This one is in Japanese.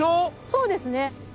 そうですね。